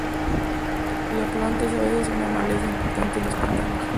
La planta es a veces una maleza importante en los pantanos.